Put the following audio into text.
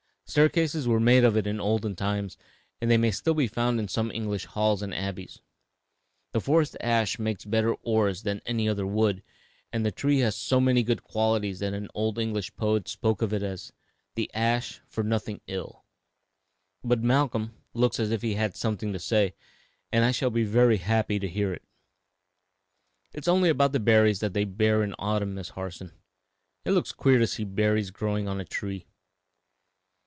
Staircases were made of it in olden times, and they may still be found in some English halls and abbeys. The forest ash makes better oars than any other wood, and the tree has so many good qualities that an old English poet spoke of it as "'The ash for nothing ill.' "But Malcolm looks as if he had something to say, and I shall be very happy to hear it." "It is only about the red berries that they bear in autumn, Miss Harson; it looks queer to see berries growing on a tree."